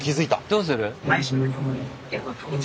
どうする？